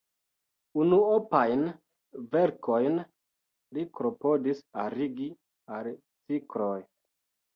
Unuopajn verkojn li klopodis arigi al cikloj.